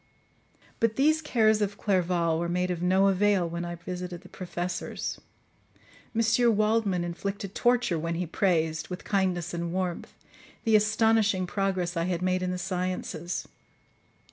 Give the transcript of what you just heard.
But these cares of Clerval were made of no avail when I visited the professors. M. Waldman inflicted torture when he praised, with kindness and warmth, the astonishing progress I had made in the sciences.